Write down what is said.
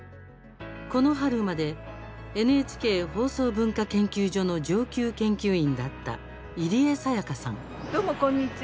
この春までＮＨＫ放送文化研究所の上級研究員だった入江さやかさん。